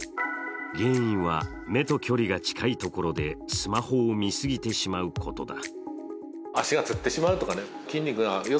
原因は、目と距離が近いところでスマホを見すぎてしまうことだ。